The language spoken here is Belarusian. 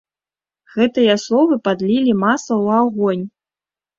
Гэтыя словы падлілі масла ў агонь.